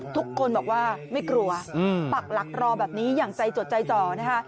ทุกคนบอกว่าไม่กลัวปักหลักรอแบบนี้อย่างใจจดใจจ่อนะคะ